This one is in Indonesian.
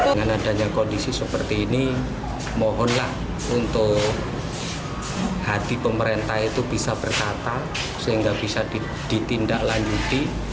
dengan adanya kondisi seperti ini mohonlah untuk hati pemerintah itu bisa berkata sehingga bisa ditindaklanjuti